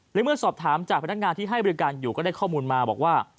และเมื่อสอบถามจากพนักงานที่ให้บริการอยู่ก็ได้ข้อมูลมาบอกว่า